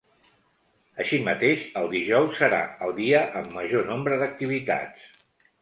Així mateix, el dijous serà el dia amb major nombre d’activitats.